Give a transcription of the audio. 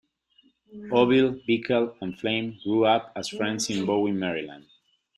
Auville, Bickel, and Flaim grew up as friends in Bowie, Maryland.